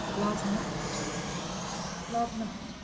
Love not! Love not!